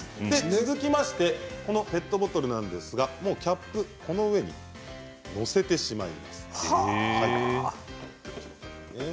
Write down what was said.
続きましてこのペットボトルなんですがキャップを上にのせてしまいます。